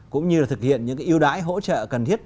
cũng như là thực hiện những cái ưu đãi hỗ trợ cần thiết